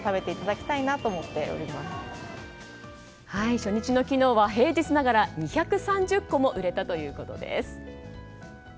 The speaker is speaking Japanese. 初日の昨日は平日ながら２３０個も売れたということです。